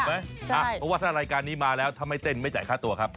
เพราะว่าถ้ารายการนี้มาแล้วถ้าไม่เต้นไม่จ่ายค่าตัวครับ